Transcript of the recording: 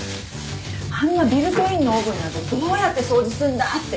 あんなビルトインのオーブンなんてどうやって掃除すんだって。